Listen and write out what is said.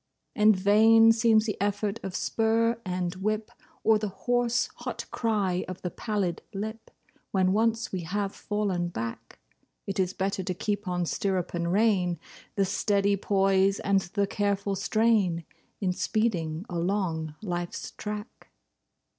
And vain seems the effort of spur and whip, Or the hoarse, hot cry of the pallid lip, When once we have fallen back. It is better to keep on stirrup and rein, The steady poise and the careful strain, In speeding along Life's track.